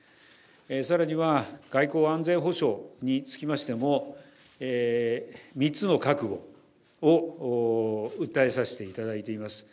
さらには外交・安全保障につきましても、３つの覚悟を訴えさせていただいています。